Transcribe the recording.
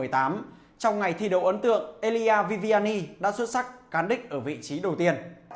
trong ngày thi đấu ấn tượng elia vivani đã xuất sắc cán đích ở vị trí đầu tiên